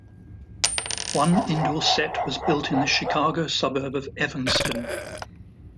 One indoor set was built in the Chicago suburb of Evanston.